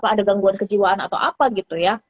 ada gangguan kejiwaan atau apa gitu ya